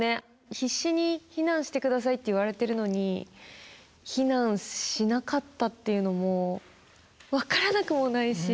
必死に「避難して下さい」って言われてるのに避難しなかったっていうのも分からなくもないし。